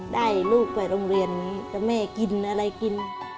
ได้ลูกไปโรงเรียนกับแม่กินอะไรกิน